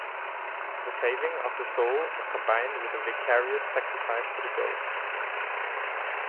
The saving of the soul is combined with a vicarious sacrifice to the ghost.